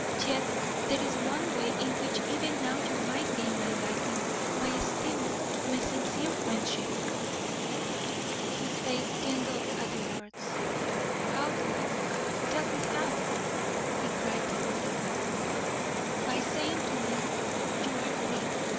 "Yet there is one way in which even now you might gain my liking, my esteem, my sincere friendship." His face kindled at the words. "How, Dora? Tell me how!" he cried, eagerly. "By saying to me: 'You are free.